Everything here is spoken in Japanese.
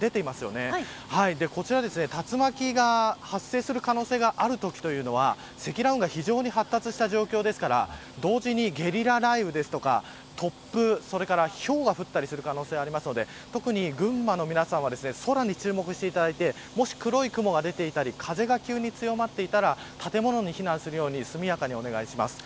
そして、こちら竜巻が発生する可能性があるときというのは積乱雲が非常に発達した状況ですから同時にゲリラ雷雨ですとか突風、それからひょうが降ったりする可能性があるので特に群馬の皆さんは空に注目していただいてもし黒い雲が出ていたり風が急に強まっていたら建物に避難するように速やかにお願いします。